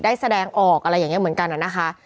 แสดงออกอะไรอย่างนี้เหมือนกันนะคะ